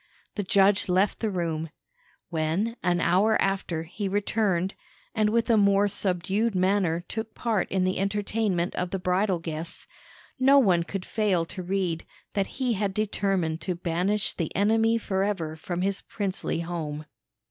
The judge left the room. When, an hour after, he returned, and with a more subdued manner took part in the entertainment of the bridal guests, no one could fail to read that he had determined to banish the enemy forever from his princely home.